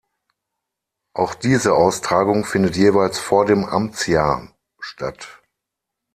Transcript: Auch diese Austragung findet jeweils vor dem „Amtsjahr“ statt.